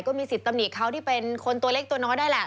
ก็มีสิทธิ์ตำหนิเขาที่เป็นคนตัวเล็กตัวน้อยได้แหละ